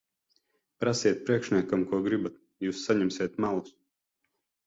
Prasiet priekšniekiem, ko gribat. Jūs saņemsiet melus.